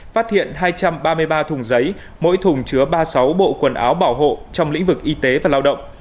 phát hiện hai trăm ba mươi ba thùng giấy mỗi thùng chứa ba mươi sáu bộ quần áo bảo hộ trong lĩnh vực y tế và lao động